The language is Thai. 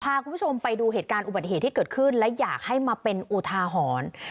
พาคุณผู้ชมไปดูเหตุการณ์อุบัติเหตุที่เกิดขึ้นและอยากให้มาเป็นอุทาหรณ์